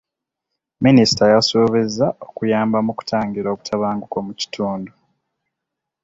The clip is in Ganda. Minisita yasuubiza okuyamba mu kutangira obutabanguko mu kitundu.